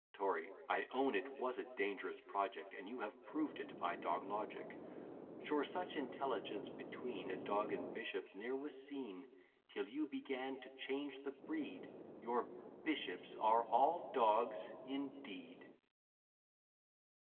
TORY. I own it was a dangerous project, And you have proved it by dog logic. Sure such intelligence between A dog and bishop ne'er was seen, Till you began to change the breed; Your bishops are all dogs indeed!